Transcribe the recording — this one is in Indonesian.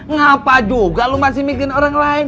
ngapa juga lu masih bikin orang lain